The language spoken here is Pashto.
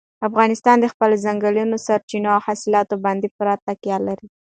افغانستان د خپلو ځنګلي سرچینو او حاصلاتو باندې پوره تکیه لري.